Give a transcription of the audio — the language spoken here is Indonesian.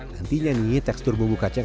nantinya nih tekstur bumbu kacang